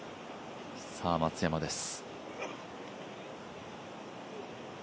松山です。